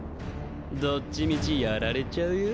どっちみちやられちゃうよ。